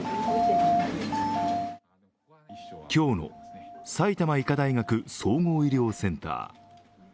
今日の埼玉医科大学総合医療センター。